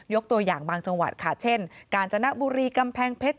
ตัวอย่างบางจังหวัดค่ะเช่นกาญจนบุรีกำแพงเพชร